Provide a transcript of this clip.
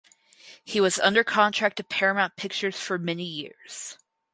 He was under contract to Paramount Pictures for many years.